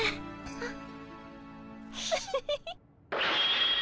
あっ。